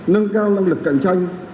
nâng cao năng lực cạnh tranh